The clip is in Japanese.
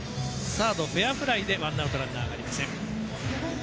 サード、フェアフライでワンアウト、ランナーありません。